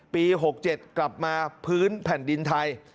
๖๗กลับมาพื้นแผ่นดินไทย